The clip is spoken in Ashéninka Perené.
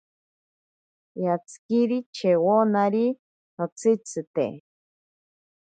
Yatsikiri chewonari notsitzite.